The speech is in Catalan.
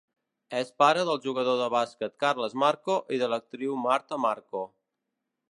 És pare del jugador de bàsquet Carles Marco i de l'actriu Marta Marco.